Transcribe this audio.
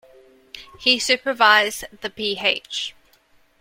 He supervised the Ph.